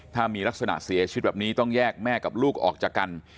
ถ้ามีลักษณะเสียชีวิตแบบนี้ต้องแยกแม่กับลูกออกจากกัน